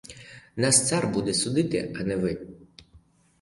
Нас цар буде судити, а не ви!